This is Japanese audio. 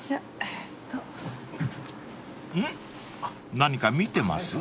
何か見てます？］